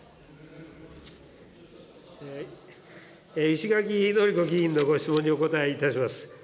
石垣のりこ議員のご質問にお答えいたします。